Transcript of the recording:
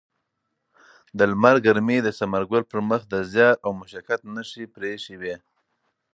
د لمر ګرمۍ د ثمرګل پر مخ د زیار او مشقت نښې پرېښې وې.